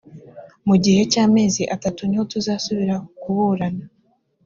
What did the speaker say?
mu gihe cy’amezi atatu niho tuzasubira kuburana